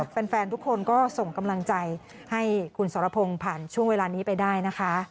แฟนทุกคนก็ส่งกำลังใจให้คุณสรพงศ์ผ่านช่วงเวลานี้ไปได้นะคะ